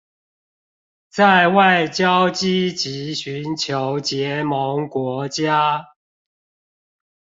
在外交積極尋求結盟國家